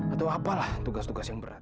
atau apalah tugas tugas yang berat